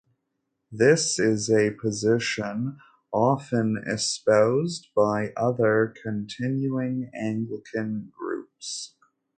This is a position often espoused by other Continuing Anglican groups.